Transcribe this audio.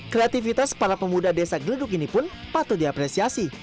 kreativitas para pemuda desa geleduk ini pun patut diapresiasi